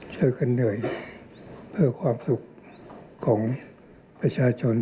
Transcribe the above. ช่วยกันเหนื่อยเพื่อความสุขของประชาชน